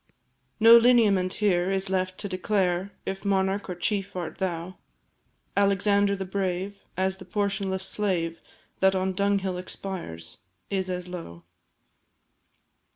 No lineament here is left to declare If monarch or chief art thou; Alexander the Brave, as the portionless slave That on dunghill expires, is as low.